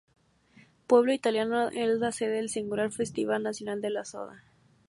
Pueblo Italiano es la sede del singular Festival Nacional de la Soda.